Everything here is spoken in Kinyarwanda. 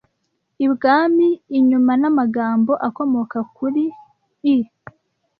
ibwami inyuma n’amagambo akomoka kuri i